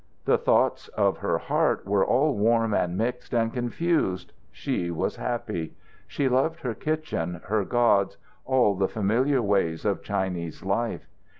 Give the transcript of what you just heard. The thoughts of her heart were all warm and mixed and confused. She was happy. She loved her kitchen, her gods, all the familiar ways of Chinese life.